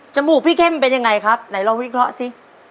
มูกพี่เข้มเป็นยังไงครับไหนลองวิเคราะห์สิ